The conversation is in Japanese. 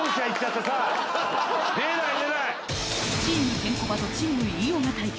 チームケンコバとチーム飯尾が対決